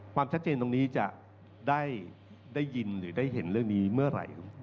ความชัดเจนตรงนี้จะได้ยินหรือได้เห็นเรื่องนี้เมื่อไหร่